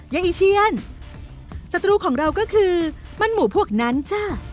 อีเชียนศัตรูของเราก็คือมันหมูพวกนั้นจ้ะ